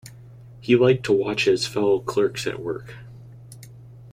He liked to watch his fellow-clerks at work.